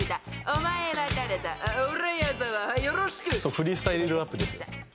「フリースタイルラップですよ」